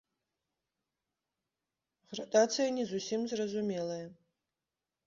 Градацыя не зусім зразумелая.